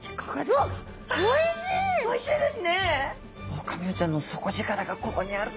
うわっおいしいですね。